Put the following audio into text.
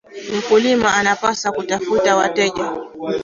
Mkulima anapaswa kutafuta wateja